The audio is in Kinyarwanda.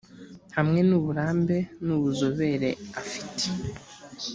hamwe n uburambe n ubuzobere afite